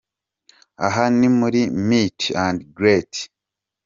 Aha ni muri Meet and Greet.